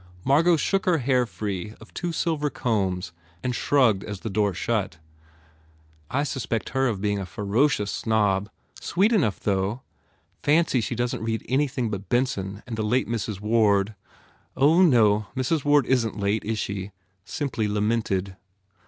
Margot shook her hair free of two silver combs and shrugged as the front door shut. "I suspect her of being a ferocious snob. Sweet enough, though. Fancy she doesn t read anything but Benson and the late Mrs. Ward. Oh, no, Mrs. Ward isn t late, is she? Simply lamented."